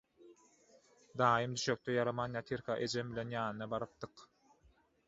Daýym düşekde ýaraman ýatyrka ejem bilen ýanyna barypdyk.